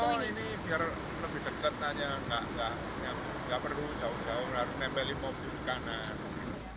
oh ini biar lebih dekat hanya enggak perlu jauh jauh harus nempelin mobil kanan